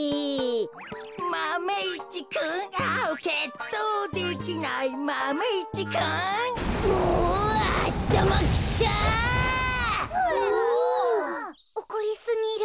おこりすぎる。